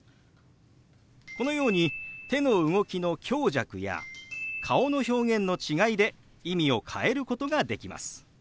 このように手の動きの強弱や顔の表現の違いで意味を変えることができます。